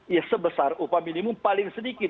ya sebesar upah minimum paling sedikit